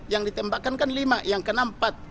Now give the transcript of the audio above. yang ditembakkan kan lima yang kena empat